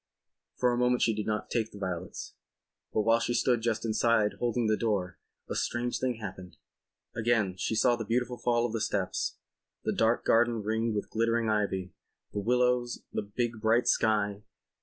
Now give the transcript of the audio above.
For a moment she did not take the violets. But while she stood just inside, holding the door, a strange thing happened. ... Again she saw the beautiful fall of the steps, the dark garden ringed with glittering ivy, the willows, the big bright sky.